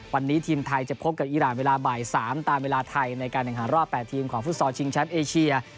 วันนี้ทีมไทยจะพบกับอีรานเวลาบ่าย๓ตามเวลาไทยในการแข่งขันรอบ๘ทีมของฟุตซอลชิงแชมป์เอเชีย